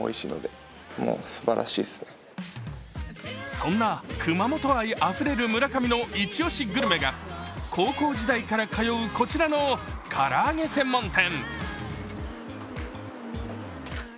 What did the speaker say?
そんな熊本愛あふれる村上のイチ押しグルメが高校時代から通うこちらの、からあげ専門店。